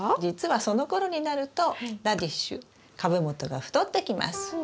実はそのころになるとラディッシュ株元が太ってきます。